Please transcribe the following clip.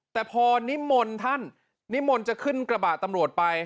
แต่พอนิมนต์ท่านนิมนต์จะขึ้นกระบะตำรวจไป